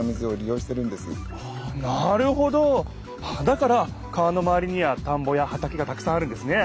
だから川のまわりには田んぼや畑がたくさんあるんですね！